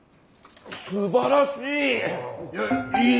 すばらしい。